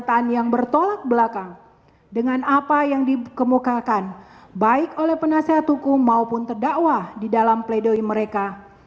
pernyataan yang bertolak belakang dengan apa yang dikemukakan baik oleh penasehat hukum maupun terdakwa di dalam pledoi mereka